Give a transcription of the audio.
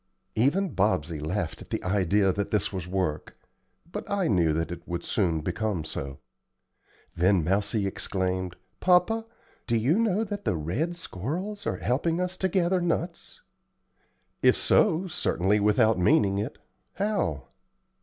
Even Bobsey laughed at the idea that this was work; but I knew that it would soon become so. Then Mousie exclaimed, "Papa, do you know that the red squirrels are helping us to gather nuts?" "If so, certainly without meaning it. How?"